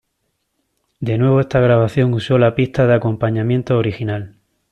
De nuevo esta grabación usó la pista de acompañamiento original.